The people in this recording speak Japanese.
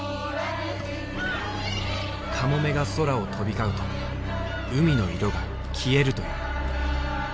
「カモメが空を飛び交うと海の色が消える」という。